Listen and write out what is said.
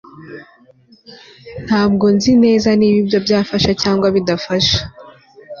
Ntabwo nzi neza niba ibyo byafasha cyangwa bidafasha